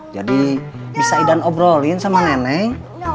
jadi bisa iden obrolin sama nenek